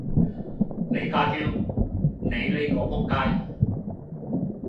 李家超你呢個仆街